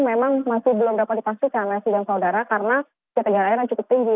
memang masih belum dapat dipastikan mas dan saudara karena keterangan airnya cukup tinggi